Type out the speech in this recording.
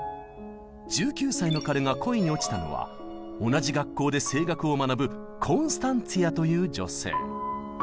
１９歳の彼が恋に落ちたのは同じ学校で声楽を学ぶコンスタンツィアという女性。